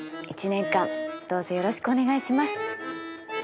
１年間どうぞよろしくお願いします。